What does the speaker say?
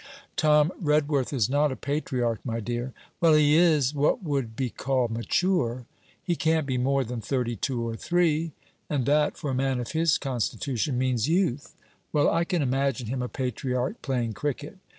'Tom Redworth is not a patriarch, my dear.' 'Well, he is what would be called mature.' 'He can't be more than thirty two or three; and that, for a man of his constitution, means youth.' 'Well, I can imagine him a patriarch playing cricket.'